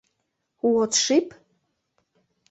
— Уот шип?